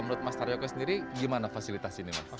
ruang kursi kursi di solo